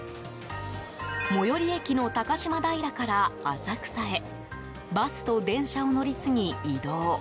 最寄り駅の高島平から浅草へバスと電車を乗り継ぎ移動。